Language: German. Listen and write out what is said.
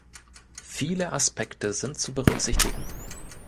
Viele Aspekte sind zu berücksichtigen.